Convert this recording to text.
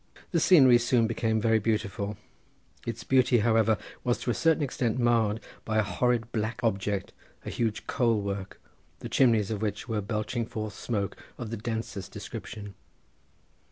The scenery soon became very beautiful—its beauty, however, was to a certain extent marred by a horrid black object, a huge coal work, the chimneys of which were belching forth smoke of the densest description.